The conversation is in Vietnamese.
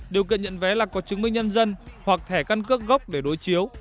điều kiện nhận vé là có chứng minh nhân dân hoặc thẻ căn cước gốc để đối chiếu